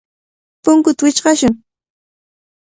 Punkuta wichqashun.